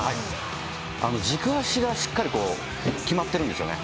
軸足がしっかり決まってるんですよね。